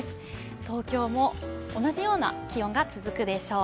東京も同じような気温が続くでしょう。